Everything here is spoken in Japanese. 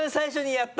やった？